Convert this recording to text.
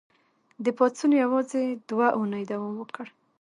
دې پاڅون یوازې دوه اونۍ دوام وکړ.